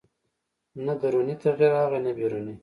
نه دروني تغییر راغی نه بیروني